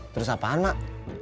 terus apaan mak